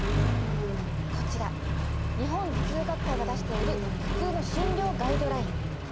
こちら日本頭痛学会が出している頭痛の診療ガイドライン。